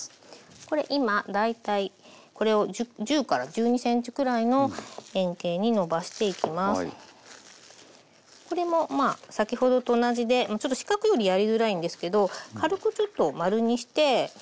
これ今大体これをこれもまあ先ほどと同じでちょっと四角よりやりづらいんですけど軽くちょっと丸にして。